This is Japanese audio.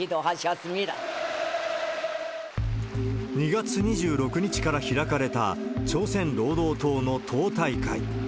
２月２６日から開かれた朝鮮労働党の党大会。